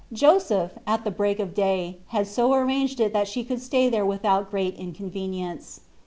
Joseph, at the break of day, had so ar ranged it that she could stay there without great inconvenience.